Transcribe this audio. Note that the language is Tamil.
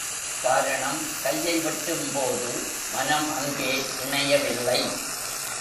காரணம், கையை வெட்டும் போது மனம் அங்கே இணையவில்லை.